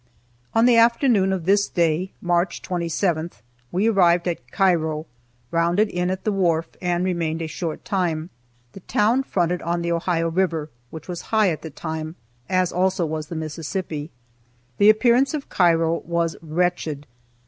On the afternoon of this day (March 27th) we arrived at Cairo, rounded in at the wharf, and remained a short time. The town fronted on the Ohio river, which was high at the time, as also was the Mississippi. The appearance of Cairo was wretched.